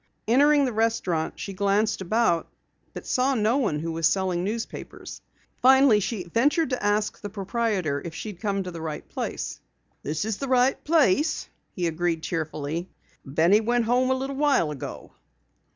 Entering the restaurant, she glanced about but saw no one who was selling papers. Finally, she ventured to ask the proprietor if she had come to the right place. "This is the right place," he agreed cheerfully. "Benny went home a little while ago."